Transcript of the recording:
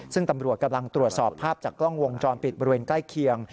ซึ่งตำรวจกำลังตรวจสอบภาพจากกล้องวงจรปิดบริเวณใกล้เคียง